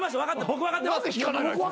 僕分かってます。